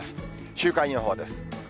週間予報です。